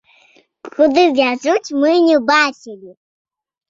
Куды вязуць, мы не бачылі.